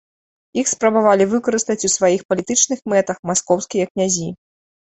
Іх спрабавалі выкарыстаць у сваіх палітычных мэтах маскоўскія князі.